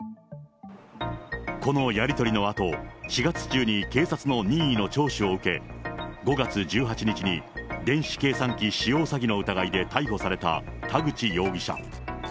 このやり取りのあと、４月中に警察の任意の聴取を受け、５月１８日に電子計算機使用詐欺の疑いで逮捕された田口容疑者。